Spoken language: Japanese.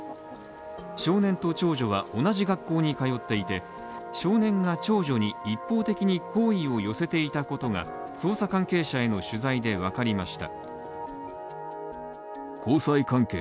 少年と長女は同じ学校に通っていて少年が長女に一方的に好意を寄せていたことが捜査関係者への取材で分かりました。